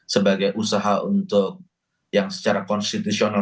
sebagai usaha untuk yang secara konstitusional